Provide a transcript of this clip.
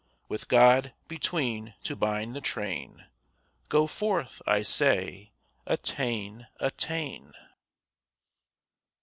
With God between to bind the train, Go forth, I say—attain—attain.